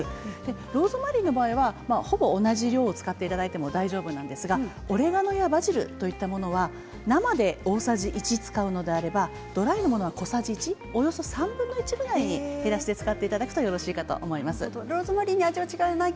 ローズマリーの場合ほぼ同じ量を使っていただいて大丈夫ですがオレガノや、バジルは生で大さじ１使うのであればドライのもの小さじ１およそ３分の１ぐらい減らして使っていただくといいかと思います。